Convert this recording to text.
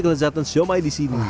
kelezatan siomay di sini